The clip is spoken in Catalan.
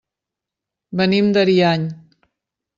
Venim d'Ariany.